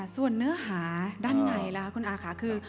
ส่วนเนื้อหาด้านในล่ะคุณอาค่ะคือ